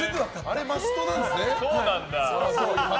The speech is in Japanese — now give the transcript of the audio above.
あれマストなんですね。